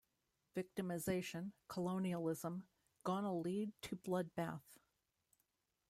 Victimization, colonialism, gonna lead to bloodbath'.